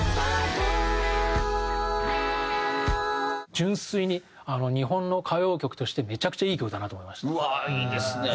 純粋に日本の歌謡曲としてめちゃくちゃいい曲だなと思いました。